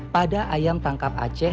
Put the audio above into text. pada ayam tangkap aceh